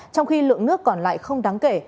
trong khi lượng nước còn lại không đáng kể